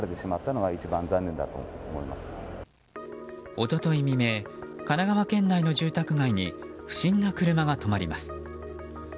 一昨日未明神奈川県内の住宅街に不審な車が止まります。